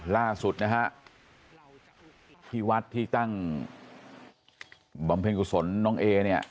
ล่าสุดนะฮะที่วัดที่ตั้งบำเพ็ญกุศลน้องเอเนี่ย